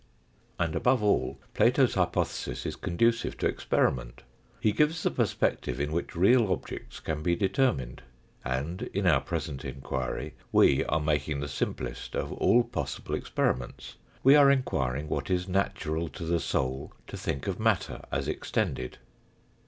And, above all, Plato's hypothesis is conducive to ex periment. He gives the perspective in which real objects can be determined ; and, in our present enquiry, we are making the simplest of all possible experiments we are enquiring what it is natural to the soul to think of matter as extended.